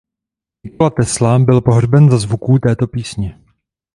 Nikola Tesla byl pohřben za zvuků této písně.